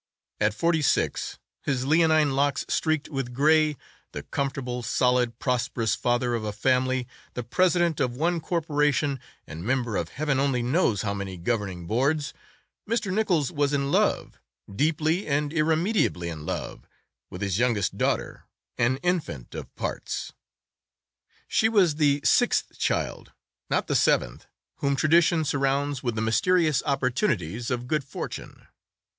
At forty six, his leonine locks streaked with gray, the comfortable, solid, prosperous father of a family, the president of one corporation and member of Heaven only knows how many governing boards, Mr. Nichols was in love—deeply and irremediably in love—with his youngest daughter, an infant of parts. She was the sixth child, not the seventh, whom tradition surrounds with the mysterious opportunities of good fortune.